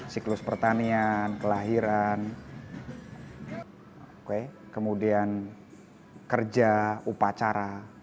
siklus pertanian kelahiran kemudian kerja upacara